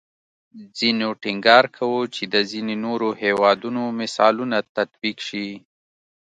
ځینو ټینګار کوو چې د ځینې نورو هیوادونو مثالونه تطبیق شي